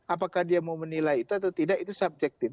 apakah dia mau menilai itu atau tidak itu subjektif